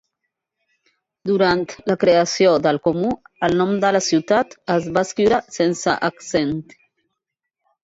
Durant la creació del comú, el nom de la ciutat es va escriure sense accent.